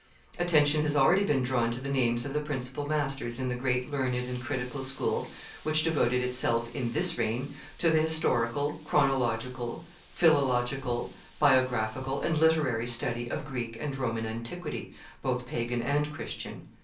Attention has already been drawn to the names of the principal masters in the great learned and critical school which devoted itself, in this reign, to the historical, chronological, philological, biographical, and literary study of Greek and Roman antiquity, both Pagan and Christian.